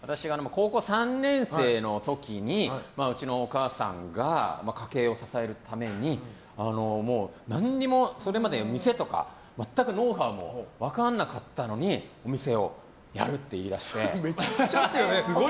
私が高校３年生の時にうちのお母さんが家計を支えるために何にも、それまで店とか全くノウハウも分からなかったのにお店をやると言い出して。